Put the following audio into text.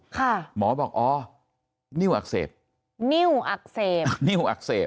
หมอบอกอ๋อนิ้วอักเสบนิ้วอักเสบนิ้วอักเสบ